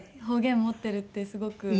方言持ってるってすごく。